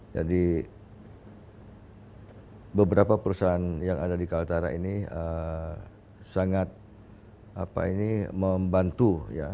jadi beberapa perusahaan yang ada di kalimantan utara ini sangat membantu ya